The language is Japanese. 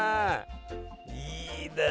いいね。